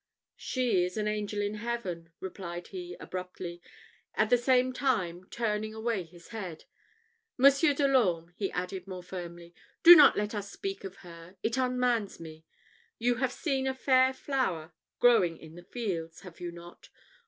"She is an angel in heaven!" replied he, abruptly, at the same time turning away his head. "Monsieur de l'Orme," he added, more firmly, "do not let us speak of her it unmans me. You have seen a fair flower growing in the fields, have you not?